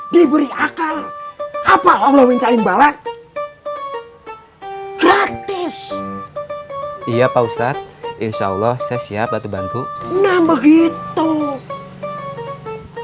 diberi akal apa allah minta imbalan gratis iya pak ustadz insyaallah saya siap bantu bantu nama gitu ya pak ustadz insyaallah saya siap bantu bantu